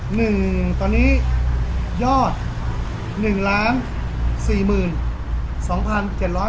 หนึ่งตอนนี้ยอดหนึ่งล้านสี่หมื่นสองพันเจ็ดร้อย